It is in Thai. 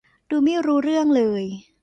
ดูไม่รู้เรื่องเลย